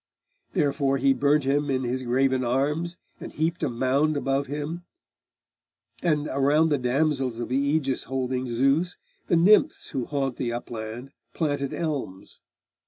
Therefore he burnt him in his graven arms, And heaped a mound above him; and around The damsels of the Aegis holding Zeus, The nymphs who haunt the upland, planted elms.